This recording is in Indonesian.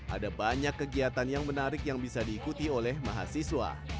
ada banyak kegiatan yang menarik yang bisa diikuti oleh mahasiswa